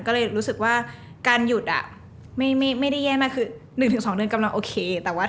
ก็เลยรู้สึกว่าการหยุดอะไม่ได้แย่มาก๑๒เดือนกำลังโอเค